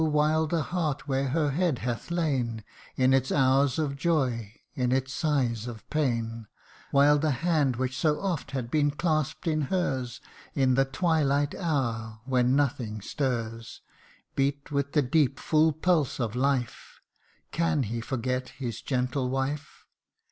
while the heart where her head hath lain In its hours of joy, in its sighs of pain; While the hand which so oft hath been clasp 'd in hers In the twilight hour, when nothing stirs Beat with the deep, full pulse of life Can he forget his gentle wife